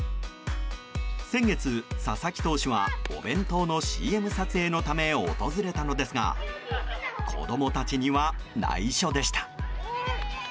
先月、佐々木投手はお弁当のＣＭ撮影のため訪れたのですが子供たちには内緒でした。